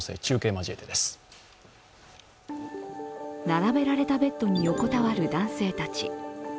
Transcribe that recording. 並べられたベッドに横たわる男性たち。